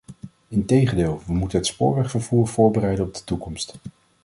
Integendeel, we moeten het spoorwegvervoer voorbereiden op de toekomst.